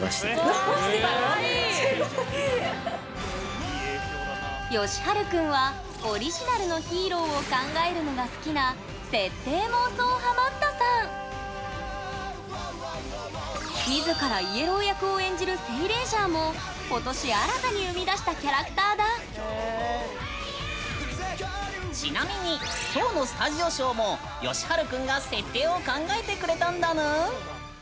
すごい！よしはるくんはオリジナルのヒーローを考えるのが好きな自らイエロー役を演じるセイレイジャーも今年新たに生み出したキャラクターだちなみにきょうのスタジオショーもよしはるくんが設定を考えてくれたんだぬん。